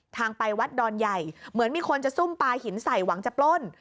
ทางไปวัดดอนใหญ่เหมือนมีคนจะซุ่มปลาหินใส่หวังจะปล้น